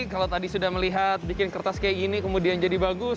kalau tadi sudah melihat bikin kertas kayak gini kemudian jadi bagus